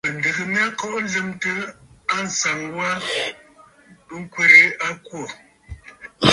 Mɨ̀ndɨgə mya kɔʼɔ lɨmtə ànsaŋ wa ŋkwerə a kwô.